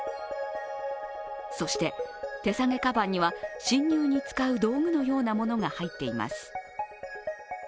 そして手提げかばんには、侵入に使う道具のようなものが入っています。